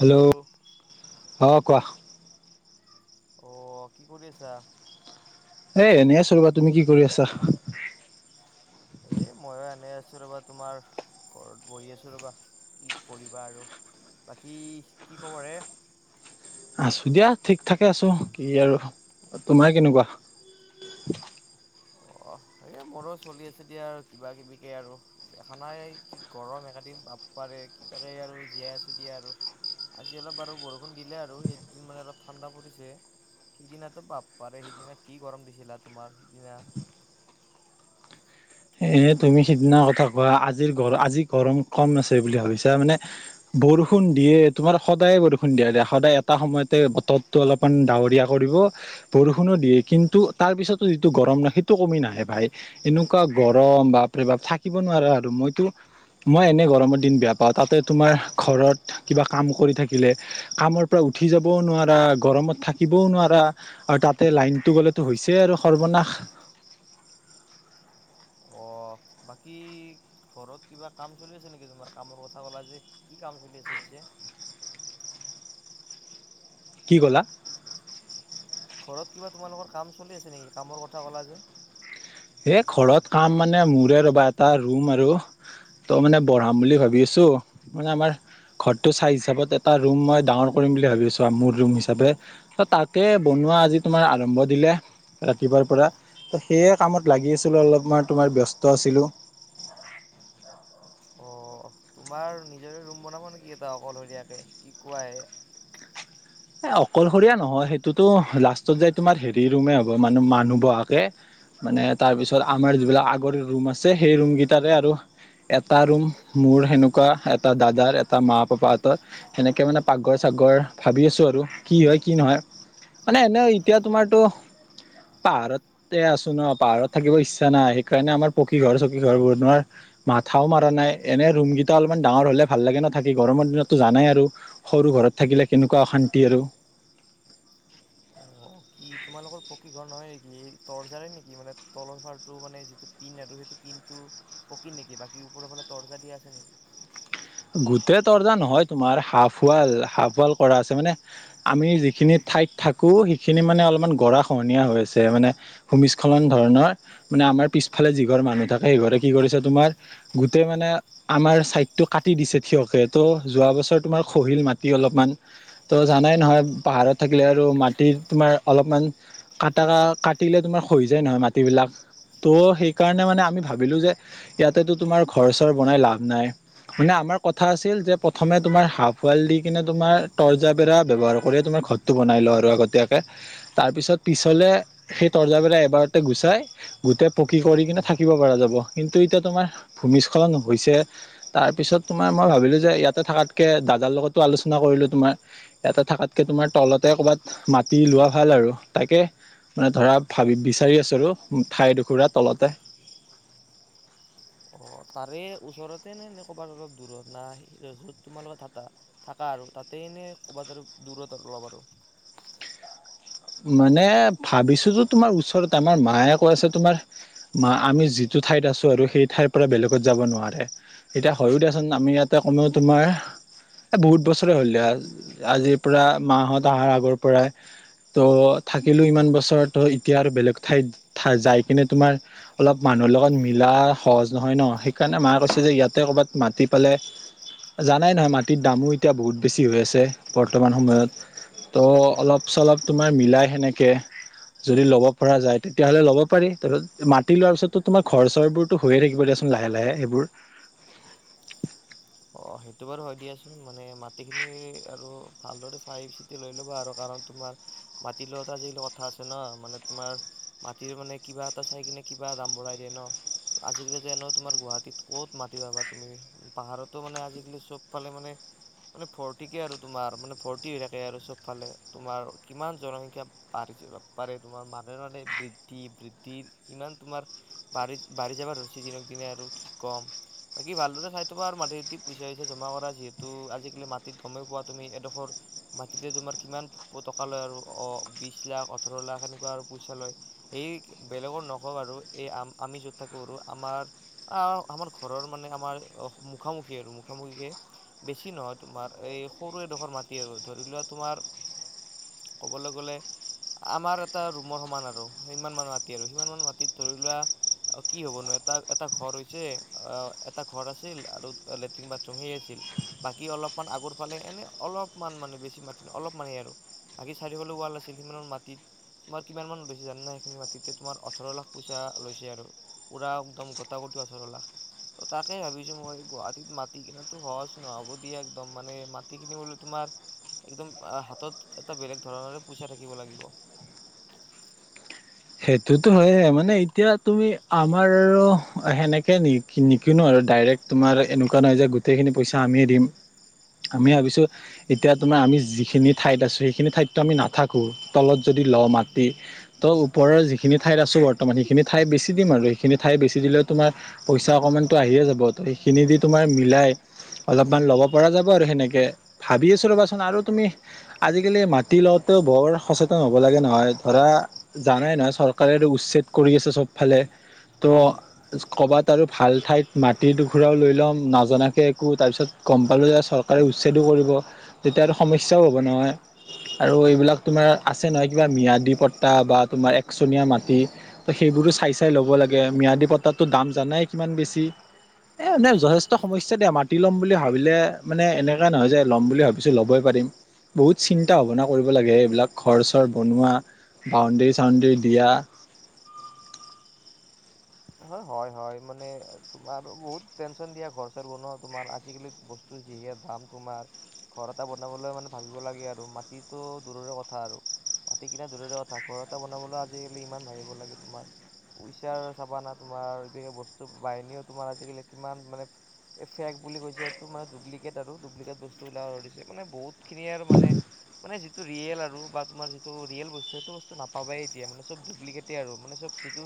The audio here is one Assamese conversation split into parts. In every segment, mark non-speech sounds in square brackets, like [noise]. হেল্ল' অঁ কোৱা। অ কি কৰি আছা। এ এনে আছো ৰ'বা তুমি কি কৰি আছা। এ ময়ো আনি আছো ৰবা তোমাৰ ঘৰত বহি আছোঁ ৰ'বা কি কৰিবা আৰু। বাকী কি খবৰ এ। আছো দিয়া, ঠিক থাকে আছো কি আৰু তোমাৰ কেনেকুৱা? [inaudible] অঁ এইে মোৰো চলি আছে দিয়া, আৰু কিবা কিবিকে আৰু, দেখা নাই কি গৰম একেদিন। বাপ পাৰে কিবাকে আৰু জীয়াই আছো দিয়ে আৰু আজি অলপ বাৰ বৰষুণ দিলে আৰু এইদিন মানে অলপ ঠাণ্ডা পৰিছে সিদিনাতো বাপ পাৰে সিদিনা কি গৰম দিছিলা তোমাৰ সিদিনা এ তুমি সিদিনা কথা কোৱা আজিৰ গৰ আজি গৰম কম আছে বুলি ভাবিছা মানে বৰষুণ দিয়ে তোমাৰ সদায় বৰষুণ দিয়া দিয়া সদায় এটা সময়তে বতৰটো অলপমান ডাৱৰীয়া কৰিব বৰষুণো দিয়ে কিন্তু তাৰ পিছতো যিটো গৰম নাই সেইটো কমি নাহে ভাই এনেকুৱা গৰম বাপ প্ৰে বাপ থাকিব নোৱাৰাৰে আৰু মইতো মই এনে গৰমৰ দিন বেয়া পাওঁ তাতে তোমাৰ ঘৰত কিবা কাম কৰি থাকিলে কামৰ পৰা উঠি যাবও নোৱাৰা গৰমত থাকিবও নোৱাৰা আৰু তাতে লাইনতটো গ'লেতো হৈছেই আৰু সৰ্বনাশ [unintelligible] অ', বাকী ঘৰত কিবা কাম চলি আছে নেকি তোমাৰ কামৰ কথা ক'লা যে কি কাম চলি আছে পিছে [unintelligible] কি ক'লা ঘৰত কিবা তোমালোকৰ কাম চলি আছে নেকি কামৰ কথা কলা যে এ ঘৰত কাম মানে মোৰে ৰবা এটা ৰুম আৰু তই মানে বঢ়াম বুলি ভাবি আছো মানে আমাৰ ঘৰটো চাইজ হিচাপত এটা ৰুম মই ডাঙৰ কৰিম বুলি ভাবিছো আৰু মোৰ ৰুম হিচে তাকে বমি বনোৱা আজি তোমাৰ আৰম্ভ দিলে ৰাতিপুৱাৰ পৰা ত সেয়ে কামত লাগি আছিলো অলপ মান তোমাৰ ব্যস্ত আছিলো অ তোমাৰ নিজৰে ৰুম বনাব নেকি এটা অকলশৰীয়াকে কি কোৱাহে এ অকলশৰীয়া নহয় সেইটোতো লাষ্টত জাই তোমাৰ হেৰি ৰুমে হ'ব মান মানুহ বহাকে মানে তাৰ পিছত আমাৰ যিবিলাক আগৰ ৰুম আছে সেই ৰুম কেইটাৰে আৰু এটা ৰুম মোৰ সেনেকুৱা এটা দাদাৰ এটা মা পাপাহতৰ সেনেকে মানে পাকঘৰ চাগ আগৰ ভাবি আছোঁ আৰু কি হয় কি নহয় মানে এনে এতিয়া তোমাৰতো পাহাৰতে আছো ন পাহাৰত থাকিব ইচ্ছা নাই সেইকাৰণে আমাৰ পকী ঘৰ চকী ঘৰ ব নোৱাৰ মাথাও মাৰা নাই এনে ৰুম কেইটা অলপমান ডাঙৰ হলে ভাল লাগে নাথাকি গৰমৰ দিনততো জানাই আৰু সৰু ঘৰত থাকিলে কেনেকুৱা অশান্তি আৰু অ কি তোমালোকৰ পকী ঘৰ নহয় নেকি তৰ্জাৰে নেকি মানে তলৰ ফাৰটো মানে যিটো পিন সেইটো কিন্তু পকিন নেকি বাকী ওপৰৰ ফালে তৰ্জা দিয়া আছে নেকি উ গোটেই তৰ্জা নহয় তোমাৰ হাঁফুৱাল হাঁফাল কৰা আছে মানে আমি যিখিনি ঠাইত থাকো, সেইখিনি মানে অলপমান গৰা খহনীয়া হৈ আছে, মানে ভূমিস্খলন ধৰণৰ, মানে আমাৰ পিছফালে যিঘৰ মানুহ থাকে সেইঘৰে কি কৰিছে তোমাৰ গোটেই মানে আমাৰ চাইড কাটি দিছে থিয়কে তো যোৱা বছৰ তোমাৰ খহিল মাটি অলপমান তো জানাই নহয় পাহাৰ থাকিলে আৰু মাটি তোমাৰ অলপমান কটা কাটিলে তোমাৰ হৈ যায় নহয় মাটিবিলাক ত' সেইকাৰণে মানে আমি ভাবিলো যে ইয়াতেতো তোমাৰ ঘৰ চৰ বনাই লাভ নাই মানে আমাৰ কথা আছিল যে প্ৰথমে তুমাৰ হাফাল দি কিনে তোমাৰ তৰ্জাৰ বেৰা ব্যয়ৱহাৰ কৰি তোমাৰ ঘৰটো বনাই লও আৰু আগতীয়াকে তাৰ পিছত পিছলে সেই তৰ্জাবিলাক এবাৰতে গুচাই গোটেই পকী কৰি কিনে থাকিব পৰা যাব কিন্তু এতিয়া তোমাৰ ভূমিস্খলন হৈছে তাৰ পিছত তোমাৰ মই ভাবিলো যে ইয়াতে থাকাতকে দাদাৰ লগতো আলোচনা কৰিলো তোমাৰ ইয়াতে থাকাতকে তোমাৰ তলতে কৰ'বাত মাটি লোৱা ভাল আৰু তাকে মানে ধৰা ভাবি বিচাৰি আছোঁ আৰু ঠাইডখোৰা তলতে উ অ তাৰে ওচৰতে নে ন কবাত অলপ দূৰত না য'ত তোমালোকত থা থাকা আৰু তাতে সনে ক'ৰবাত আৰু দূৰত আৰু অলপ আৰু [unintelligible] মানে ভাবিছোতো তোমাৰ ওচৰত আমাৰ মায়ে কৈ আছে তোমাৰ মা আমি যিটো টো ঠাইত আছো আৰু সেই ঠাইৰ পৰা বেলেগত যাব নোৱাৰে এতিয়া হয়ও দিয়াচোন আমি ইয়াতে কমেও তোমাৰ এ বহুত বছৰে হ'ল আজিৰ পৰা মাহত অহাৰ আগৰ পৰাই ত' থাকিলো ইমান বছৰ ত এতিয়া আৰু বেলেগ ঠাইত যাই কিনে তোমাৰ অলপ মানুহ মোৰ লগত মিলা সহজ নহয় ন সেইকাৰণে মা কৈছে যে ইয়াতে ক'ৰবাত মাতি পালে জানাই নহয় মাটিত দামো এতিয়া বহুত বেছি হৈ আছে বৰ্তমান সময়ত ত অলপ চলপ তোমাৰ মিলাই সেনেকে যদি ল'ব পৰা যায় তেতিয়াহ'লে ল'ব পাৰি তাৰত মাতি লোৱাৰ পিছতো তোমাৰ ঘৰ চৰবোৰতো হৈয়ে থাকিব দিয়া চোন লাহে লাহে সেইবোৰ অ' সেইটো বাৰু হয় দিয়াচোন মানে মাটিখিনি আৰু ভালদৰে চাই চিতি লৈ লবা আৰু কাৰণ তোমাৰ মাটি লোৱাটো আজি কালি কথা আছে ন মানে তোমাৰ মাটিৰ মানে কিবা এটা চাই কিনে কিবা দাম বঢ়াই দিয়ে ন আজিকালি যে ন তোমাৰ গুৱাহাটীত ক'ত মাতিবা পাব তুমি পাহাৰত তটো মানে আজিকালি চবফালে মানে মানে ভৰ্তিকে আৰু তোমাৰ মানে ভৰ্তি হৈ থাকে আৰু চব ফালে তোমাৰ কিমান জনসংখ্যা বাঢ়িছে পাৰে তোমাৰ মানে মানে বৃদ্ধি বৃদ্ধি ইমান তোমাৰ বাঢ়ি বাঢ়ি যাব ধৰিছে দিনক দিনে আৰু কি কম বাকী ভালদৰে চাই থবা আৰু মাটী পইচা চইচা জমা কৰা যিহেতু আজিকালি মাটিত গমেই পোৱা তুমি এডোখৰ মাটিতে তোমাৰ কিমান টকা লয় আৰু অ বিশ লাখ ওঠৰ লাখ সেনেকুৱা আৰু পইচা লয় সেই বেলেগৰ নকওঁ আৰু আমি যত থাকোঁ আৰু আমাৰ আমাৰ ঘৰৰ মানে আমাৰ মুখামখি আৰু মুখামুখিকে বেছি নহয় তোমাৰ এই সৰু এডোখৰ মাটি আৰু ধৰি লোৱা তোমাৰ [inaudible] ক'বলৈ গ'লে আমাৰ এটা ৰুমৰ সমান আৰু সিমান মান মাটি আৰু সিমান মান মাটিত ধৰি লোৱা কি হ'ব নো এটা এটা ঘৰ হৈছে আহ এটা ঘৰ আছিল আৰু লেট্ৰিন বাথৰুম সেই আছিল বাকী অলপমান আগৰ ফালে এনে অলপমান মানে বেছি মাতি অলপ মান বাকী চাৰিওফাল ৱাল আছিল সিমানৰ মাটিত তোমাৰ কিমান মান লৈছে জানা সেইখিনি মাটিতে তোমাৰ ওঠৰ লাখ পইচা লৈছে আৰু পুৰা একদম গোটাগুটি তাকে ভাবিছো মই গুৱা মাটি কিনো সহজ নহ'ব দিয়া একদম মানে মাটি কিনিবলৈ তোমাৰ একদম হাতত এটা বেলেগ ধৰণৰে পইচা থাকিব লাগিব [inaudible] সেইটোতো হয় মানে এতিয়া তুমি আমাৰ আৰু সেনেকে নিকিনো আৰু ডাইৰেক্ট তোমাৰ এনেকুৱা নহয় যে গোটেইখিনি পইচা আমিয়ে দিম আমি ভাবিছোঁ, এতিয়া তোমাৰ আমি যিখিনি ঠাইত আছোঁ সেইখিনি ঠাইততো আমি নাথাকো তলত যদি ল' মাটি ত' উপৰৰ যিখিনি ঠাইত আছোঁ বৰ্তমান সেইখিনি ঠাই বেছি দিম আৰু, সেইখিনি ঠাই বেছি দিলেও তোমাৰ পইচা অকণমানটো আহি য়ে যাব সেইখিনি দি তোমাৰ মিলাই অলপমান ল'ব পৰা যাব আৰু সেনেকে ভাবি আছোঁ ৰ'বা চোন আৰু তুমি আজিকালি মাটি লওঁতে বৰ সচেতন হ'ব লাগে নহয় ধৰা জানাই নহয় চৰকাৰেটো উচ্ছেদ কৰি আছে চবফালে তো ক'ৰবাত আৰু ভাল ঠাইত মাটিদুখুৰাও লৈ ল'ম নজনাকৈ একো তাৰপিছত গম পালোঁ যে চৰকাৰে উচ্ছেদো কৰিব যেতিয়া আৰু সমস্যাও হ'ব নহয়, আৰু এইবিলাক তোমাৰ আছে নহয় কিবা মি্যাদী পট্তা বা তোমাৰ একচনীয়া মাটি তো সেইবোৰো চাই চাই ল'ব লাগে মিঞাদী পট্টা দাম জানাই কিমান বেছি। এ, মানে যথেষ্ট সমস্যা দিয়া মাটি ল'ম বুলি ভাবিলে মানে এনেকুৱা নহয় যে ল'ম বুলি ভাবিছো ল'বই পাৰিম। বহুত চিন্তা ভাৱনা কৰিব লাগে, এইবিলাক ঘৰচৰ বনোৱা বাউণ্ডৰীজ বাউণ্ডৰি দিয়া। হয়, হয় হয়, মানে তোমাৰ বহুত টেনচন দিয়া ঘৰ চৰ বনোৱা তোমাৰ আজিকালি বস্তু যিহে দাম তোমাৰ ঘৰ এটা বনাবলৈ মানে ভাবিব লাগে আৰু মাটিতটো দূৰৰে কথা আৰু। মাটি কিনা দূৰৰে কথা ঘৰ এটা বনাবলৈ আজিকালি ইমান ভাবিব লাগে তোমাৰ পইচাৰ চাবা না তোমাৰ যিহে বস্তু বাহিনীও তোমাৰ আজিকালি কিমান মানে এ, ফেক বুলি কৈছে এইটো মানে ডুপ্লিকেট আৰু ডুপ্লিকেট বস্তু [unintelligible] মানে বহুত খিনিয়ে আৰু মানে মানে যিটো ৰিয়েল আৰু বা তোমাৰ যিটো ৰিয়েল বস্তু সেইটো বস্তু নাপাবাই এতিয়া মানে চব ডুপ্লিকেটে আৰু মানে চব যিটো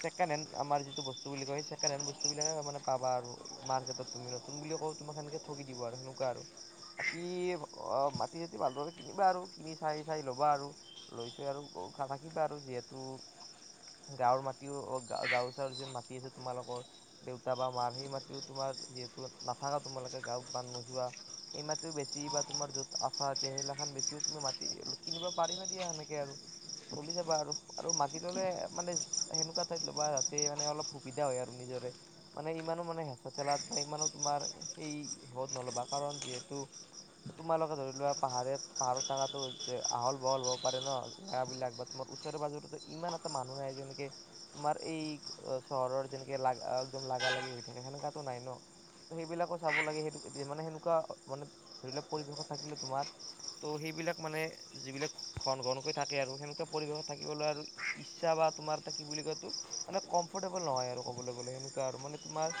চে [unintelligible] আমৰ যিটো বস্তু বুলি কই ছেকেণ্ড হেণ্ড বস্তুবিলাকে মানে পাবা আৰু মাৰ্কেটত তুমি নতুন বুলি কই তোমাক সেনকে ঠগি দিব আৰু সেনেকুৱা আৰু। বাকি মাটি চাতি ভালদৰে কিনিবা আৰু কিনি চাই চাই ল'বা আৰু লৈছৈ আৰু [unintelligible] আৰু যিহেতু গাঁৱৰ মাটিও অ গাওৰ চাৱৰ যোন মাটি আছে তোমালোকৰ, দেউতা বা মাৰ সেই মাটিও তোমাৰ যিহেতু নাথাকা তোমালোকে গাঁৱত বান্ধ নোযোৱা। এই মাটিটো বেছি বা তোমাৰ য'ত আচা এতিয়া সেইগিলাখান বেছিও তুমি মাতি কিনিব পাৰিবা দিয়া সেনেকে আৰু। চলি যাবা আৰু। আৰু মাতি ললে মানে সেনেকুৱা ঠাইত ল'বা যাতে মানে অলপ সুবিধা হয় আৰু নিজৰে মানে ইমানো মানে হেঁচা ঠেলাত বা ইমানো তোমাৰ সেই শেহত নল'বা, কাৰণ যিহেতু তোমালোকে ধৰি লোৱা পাহাৰাৰ-পাহাৰত থাকাতো আহল বহল হব পাৰে ন জেগ বিলাক বা তুমা ওচৰে পাজৰে ইমান এটা মানুহ নাই যেনেকে তোমাৰ এই চহৰৰ যেনেকে লাগা একদম লাগা লাগি হৈ থাকে সেনেকাতো নাই ন? ত' সেইবিলাকো চাব লাগে সেইটো মানে সেনেকুৱা মানে ধৰি লওক পৰিৱেশত থাকিলে তোমাৰ ত' সেইবিলাক মানে যিবিলাক ঘন ঘনকৈ থাকে আৰু সেনেকুৱে পৰিৱেশত থাকিবলৈ আৰু ইচ্ছা বা তোমাৰ [unintelligible] কি বুলি এইতো মানে কমফৰ্টেবল নহয় আৰু কবলৈ গ'লে সেনেুৱা আৰু মানে তোমাৰ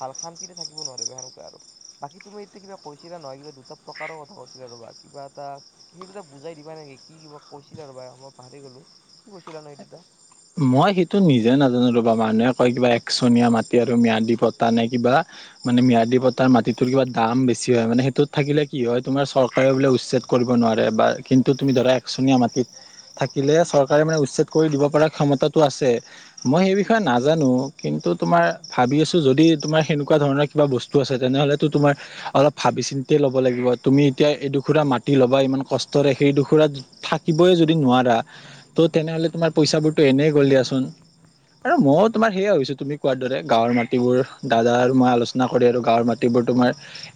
ভাল শান্তিতে থাকিব নোৱাৰিবা সেনেকুৱা আৰু। বাকী তুমি এতিয়া কিবা কৈছিলা নহয় কিবা দুটা প্ৰকাৰৰ কথা কৈছিলা ৰ'বা কিবা এটা সেইটো এটা বুজাই দিবা নে? নেকি? কি কিবা কৈছিলা ৰ'বা মই পাহৰি গ'লো। কি কৈছিলা ন এই দুটা? মই সেইটো নিজে নাজানো ৰ'বা মানুহে কয় কিবা একচনীয়া মাটি আৰু ম্যাদী পতা নাই কিবা মানে মি্য়াদী পতাৰ মাটিটোৰ কিবা দাম বেছি হয় মানে সেইটোত থাকিলে কি হয় তমাৰ চৰকাৰে বোলে উচ্ছেদ কৰ কৰিব নোৱাৰে বা কিন্ত তুমি ধৰা একচনীয়া মাটিত থাকিলে চৰকাৰে মানে উচেদ কৰি দিব পৰা ক্ষমতাটো আছে মই সেই বিষয়ে নাজানো কিন্তু তোমাৰ ভাবি আছোঁ যদি তোমাৰ সেনেকুৱা- ধৰণৰ কিবা বস্তু আছে তেনেহলে তো তোমাৰ অলপ ভাবি চিন্তিয়ে ল'ব লাগিব তুমি এতিয়া এই দুখুৰা মাটি [unintelligible] ইমান কষ্টৰে সেই ডোখোৰাত থাকিবই যদি নোৱাৰা ত'তেনেহলে তোমাৰ পইচাবোৰ তো এনেই গ'ল দিয়াচোন। আৰু মইও তোমাৰ সেইয়য়া হৈছো তুমি কোৱাৰ দৰে গাঁৱৰ মাটিবোৰ দাদাৰ মই আলোচনা কৰি আৰু গাঁৱৰ মাটিবোৰ তোমাৰ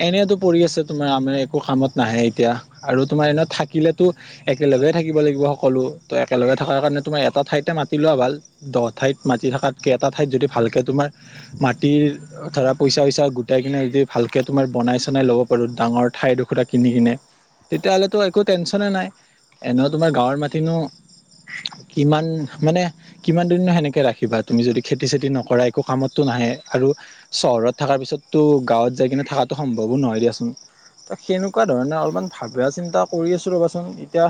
এনেইতো পৰি আছে, তোমাৰ আমাৰ একো কামত নাহে এতিয়া আৰু তোমাৰ এনে থাকিলেতো একেলগে থাকিব লাগিব সকলো ত একেলগে থকাৰ কাৰণে তোমাৰ এটা ঠাইত মাটি লোৱা ভাল দ ঠাইত মাটি থকাতকৈ এটা ঠাইত যদি ভালকে তোমাৰ মাটিৰ পইচা উইচা গোটাই কিনে যদি ভালকে তোমাৰ বনাই চনাই ল'ব পাৰো ডাঙৰ ঠাইটুকুৰাকিনি কিনে তেতিয়াাহলেতো একো টেনচনে নাই এনে তোমাৰ গাঁৱৰ মাটিনো কিমান মানে কিমান দিন সেনেকে ৰাখিবা তুমি যদি খেতি চেতি নকৰা একো কামতো নাহে আৰু চহৰত থকাৰ পিছততো গাঁৱত যাই কিনে থকাটোো সম্ভৱো নহয় দিয়াচোন ত সেনেকুৱা ধৰণে অলপমান ভাবা চিন্তা কৰি আছো ৰ'বাচোন এতিয়া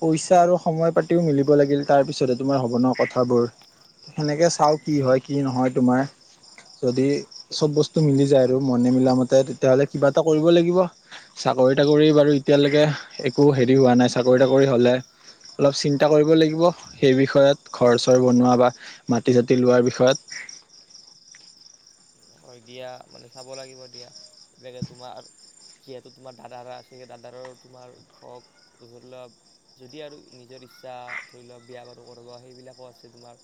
পইচা আৰু সময় পাতিও মিলিব লাগিল তাৰ পিছতে তোমাৰ সৱনৰৰ কথাবোৰ সেনেকৈ চাওঁ কি হয় কি নহয় তোমাৰ যদি চব সেই বস্তু মিলি যায় আৰু মনে মিলা মতে তেতিয়াাহ'লে কিবা এটা কৰিব লাগিব চাকৰি তাকৰি বাৰু এতিয়ালৈকে একো হেৰি হোৱা নাই চাকৰি তাকৰি হলে অলপ চিন্তা কৰিব লাগিব সেই বিষয়ত ঘৰচৰ বনোৱা বা মাটি চতি লোৱাৰ বিষয়ত হয় দিয়া মানে চাব লাগিব দিয়াাকে তোমাৰ যিহেতু তোমাৰ দাদাৰ আছেেই দাদাৰ তোমাৰ হক ধৰি লওোৱা যদি আৰু নিজৰ ইচ্ছা ধৰি লোৱাক বিয়া বাৰু কৰিব সেইবিলাকো আছে তোমাৰ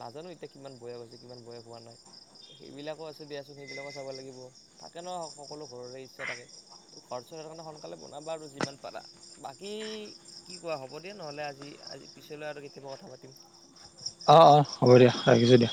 নাজানো এতিয়া কিমান বয়স হৈছে কিমান বয়স হোৱা নাই সেইবিলাক আছে দিয়াচোন সেইবিলাকো চাব লাগিব থাকে ন সকলো ঘৰৰে ইচ্ছা থাকে ত ঘৰ চ কাৰণে সোনকালে বনাবা আৰু যিমান পাৰা বাকী কি কোৱা হ'ব দিয় নহলে আজি আজি পিছলৈ আৰু কেতিয়াবা থাৱতি অঁ অঁ হ'ব দিয়া ৰাখিছোঁ দিয়া